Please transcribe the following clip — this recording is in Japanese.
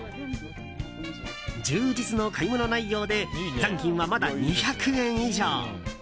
充実の買い物内容で残金はまだ２００円以上。